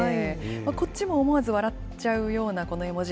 こっちも思わず笑っちゃうようなこの絵文字。